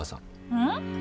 うん？